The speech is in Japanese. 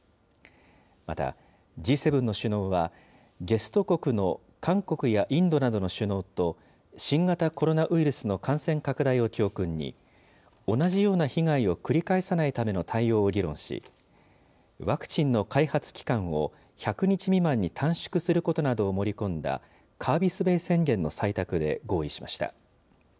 また、Ｇ７の首脳は、ゲスト国の韓国やインドなどの首脳と、新型コロナウイルスの感染拡大を教訓に、同じような被害を繰り返さないための対応を議論し、ワクチンの開発期間を１００日未満に短縮することなどを盛り込んだカービスベイ宣言の採択で合意しました。